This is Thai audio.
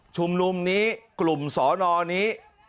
ชุมนุมนี้กลุ่มสอนอนี้